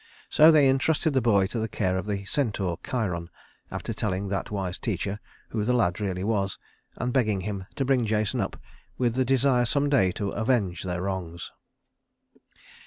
So they intrusted the boy to the care of the centaur Chiron, after telling that wise teacher who the lad really was, and begging him to bring Jason up with the desire some day to avenge their wrongs.